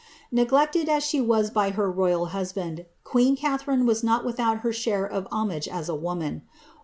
1 Neglected as she was by her royal husband, queen Oatharine was not ( without her share of homage as a woman.